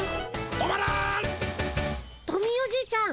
トミーおじいちゃん